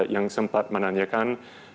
yang sempat menanyakan